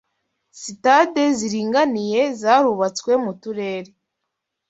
Sitade ziringaniye zarubatswe mu turere